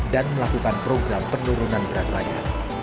dan melakukan program penurunan berat badannya